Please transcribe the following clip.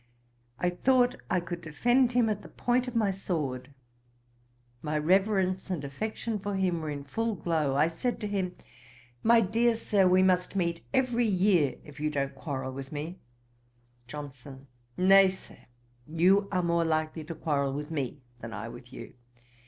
I thought I could defend him at the point of my sword. My reverence and affection for him were in full glow. I said to him, 'My dear Sir, we must meet every year, if you don't quarrel with me.' JOHNSON. 'Nay, Sir, you are more likely to quarrel with me, than I with you.